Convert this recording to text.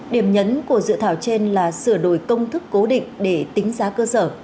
điểm nhấn của dự thảo trên là sửa đổi công thức cố định để tính giá cơ sở